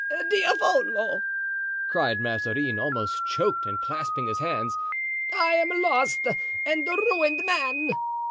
"Diavolo!" cried Mazarin, almost choked, and clasping his hands; "I am a lost and ruined man!"